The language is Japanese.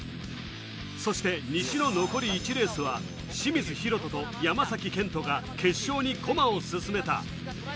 そして西の残り１レースは清水裕友と山崎賢人が決勝に駒を進めた。